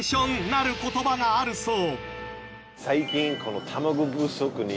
なる言葉があるそう。